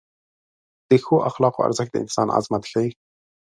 د ښو اخلاقو ارزښت د انسان عظمت ښیي.